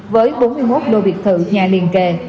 với bốn mươi một lô việt thự nhà liền kề